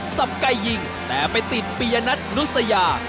ไก่ยิงแต่ไปติดปียนัทนุษยา